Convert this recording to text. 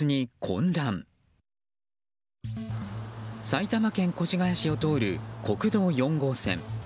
埼玉県越谷市を通る国道４号線。